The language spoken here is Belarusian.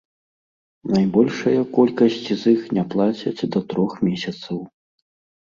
Найбольшая колькасць з іх не плацяць да трох месяцаў.